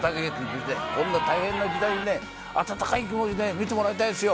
こんな大変な時代に温かい気持ちで見てもらいたいですよ。